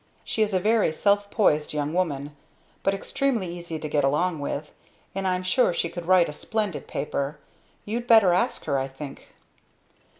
She is a very self poised young woman, but extremely easy to get along with. And I'm sure she could write a splendid paper. You'd better ask her, I think."